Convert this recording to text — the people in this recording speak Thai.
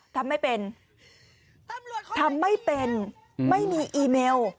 ทำไม่เป็นทำไม่เป็นไม่มีอีเมล